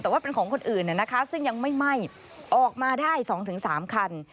แต่ว่าเป็นของคนอื่นซึ่งยังไม่ไหม้ออกมาได้๒๓คัน